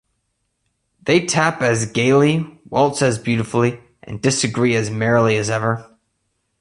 They tap as gayly, waltz as beautifully and disagree as merrily as ever.